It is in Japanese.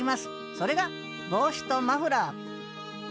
それが帽子とマフラー